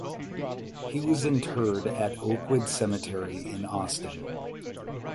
He was interred at Oakwood Cemetery in Austin.